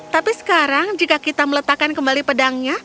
tapi sekarang jika kita meletakkan kembali pedangnya